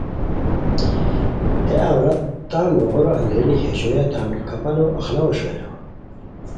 ہے عورت تان نوغورو اندرینی ہے ژویا تان کپالو اخلاؤ اوشوئے